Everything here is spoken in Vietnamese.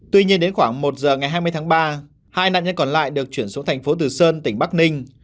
tuy nhiên đến khoảng một giờ ngày hai mươi tháng ba hai nạn nhân còn lại được chuyển xuống thành phố từ sơn tỉnh bắc ninh